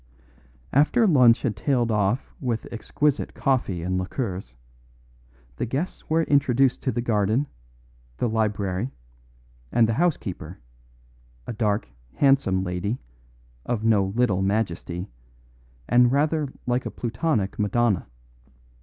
After lunch had tailed off with exquisite coffee and liqueurs, the guests were introduced to the garden, the library, and the housekeeper a dark, handsome lady, of no little majesty, and rather like a plutonic Madonna.